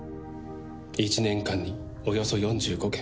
１年間におよそ４５件。